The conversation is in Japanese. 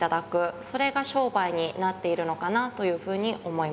それが商売になっているのかなというふうに思います。